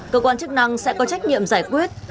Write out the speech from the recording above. cơ quan chức năng sẽ có trách nhiệm giải quyết